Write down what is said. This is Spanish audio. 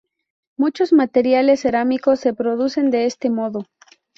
Muchos materiales cerámicos se producen de este modo.